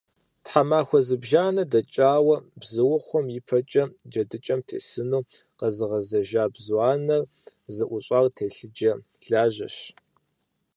Тхьэмахуэ зыбжанэ дэкӀауэ бзуухъум и пӀэкӀэ джэдыкӀэм тесыну къэзыгъэзэжа бзу анэр зыӀущӀар телъыджэ лажьэщ.